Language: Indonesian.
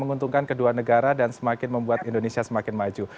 menguntungkan kedua negara dan semakin membuat indonesia semakin maju